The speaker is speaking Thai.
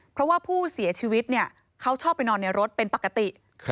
เพราะว่าผู้เสียชีวิตเขาชอบไปนอนในรถเป็นปกติ